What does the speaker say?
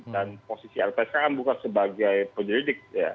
dan posisi rpsk kan bukan sebagai penyelidik